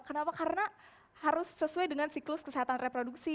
kenapa karena harus sesuai dengan siklus kesehatan reproduksi